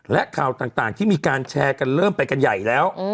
และข่าวต่างที่มีการแชร์กันเริ่มไปกันใหญ่แล้ว